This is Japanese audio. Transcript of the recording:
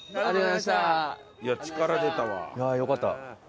いやあよかった。